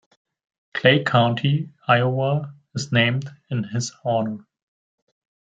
Clay County, Iowa is named in his honor.